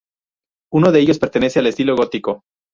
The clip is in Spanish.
Uno de ellos pertenece al estilo gótico.